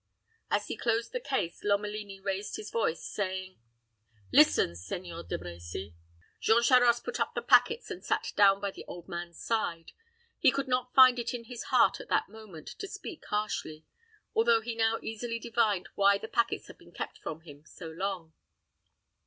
As he closed the case, Lomelini raised his voice, saying, "Listen, Seigneur De Brecy." Jean Charost put up the packets, and sat down by the old man's side. He could not find it in his heart at that moment to speak harshly, although he now easily divined why the packets had been kept from him, so long.